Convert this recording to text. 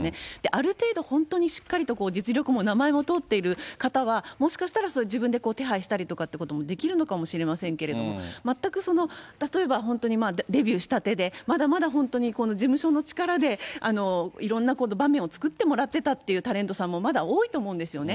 ある程度本当にしっかりと実力も名前も通っている方は、もしかしたら自分で手配したりとかっていうこともできるのかもしれませんけれども、全く、例えば本当にデビューしたてで、まだまだ本当に事務所の力でいろんな場面を作ってもらってたっていうタレントさんもまだ多いと思うんですよね。